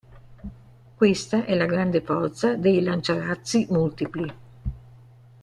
Questa è la grande forza dei lanciarazzi multipli.